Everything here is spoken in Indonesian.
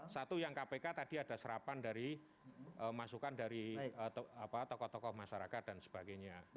satu yang kpk tadi ada serapan dari masukan dari tokoh tokoh masyarakat dan sebagainya